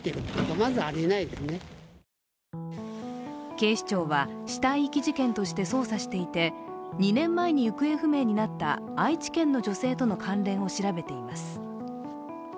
警視庁は死体遺棄事件として捜査していて２年前に行方不明になった愛知県の女性との関連を調べています。